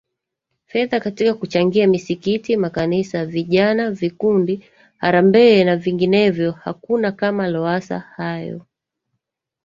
fedha katika kuchangia misikiti makanisa vijana vikundi harambee na vinginevyo hakuna kama Lowassa Hayo